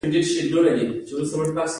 دا د فعالیتونو تطبیق له مهال ویش سره ده.